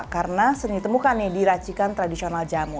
karena senitemukan diracikan tradisional jamu